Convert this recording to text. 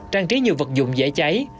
trang trí nhiều vật dụng dễ cháy